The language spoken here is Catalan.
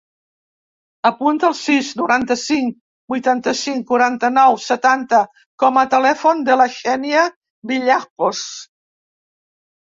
Apunta el sis, noranta-cinc, vuitanta-cinc, quaranta-nou, setanta com a telèfon de la Xènia Villajos.